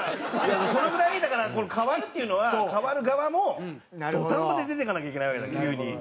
そのぐらいだからこの代わるっていうのは代わる側も土壇場で出ていかなきゃいけないわけだから急に。